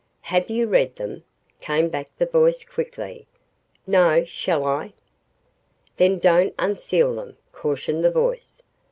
"Have you read them?" came back the voice quickly. "No shall I?" "Then don't unseal them," cautioned the voice.